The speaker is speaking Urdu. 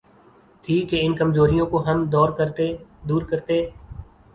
تھی کہ ان کمزوریوں کو ہم دور کرتے۔